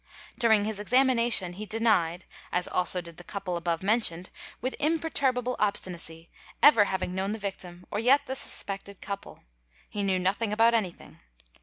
During his examination he denied, (as also did the couple above mentioned), with imperturbable obstinacy, ever having known the victim or yet the suspected couple; he knew nothing about anything.